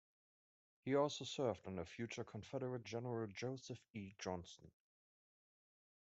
He also served under future Confederate general Joseph E. Johnston.